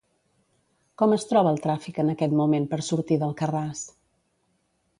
Com es troba el tràfic en aquest moment per sortir d'Alcarràs?